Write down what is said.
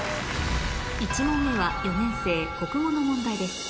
１問目は４年生国語の問題です